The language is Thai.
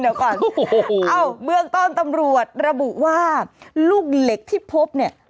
เอ้าเบื้องต้นตำรวจระบุว่าลูกเหล็กที่พบเนี่ย